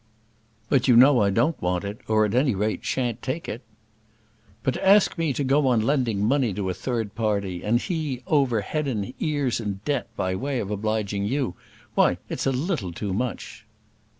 "But you know I don't want it; or, at any rate, shan't take it." "But to ask me to go on lending money to a third party, and he over head and ears in debt, by way of obliging you, why, it's a little too much."